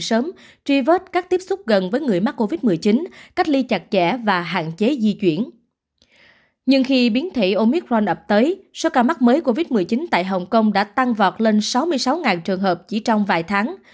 sau ca mắc mới covid một mươi chín tại hồng kông đã tăng vọt lên sáu mươi sáu trường hợp chỉ trong vài tháng